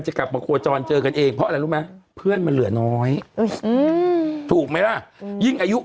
ใช่คนคงอยากให้เห็นรูปคู่